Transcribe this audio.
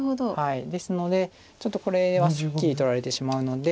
ですのでちょっとこれはすっきり取られてしまうので。